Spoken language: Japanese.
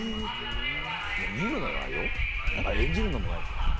見るのは演じるのもないか。